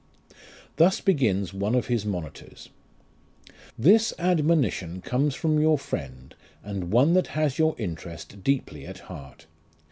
Thus begins one of his monitors: "This admonition comes from your friend, and one that has your interest deeply at heart.